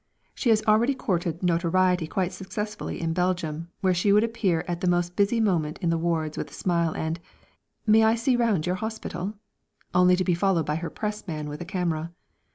She has already courted notoriety quite successfully in Belgium, where she would appear at the most busy moment in the wards with a smile and a "May I see round your hospital?" only to be followed by her press man with a camera.